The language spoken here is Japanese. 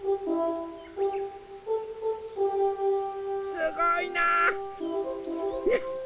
すごいな！よしっ！